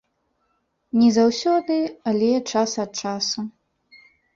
Не заўсёды, але час ад часу.